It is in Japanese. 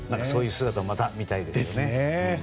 そういう姿をまた見たいですね。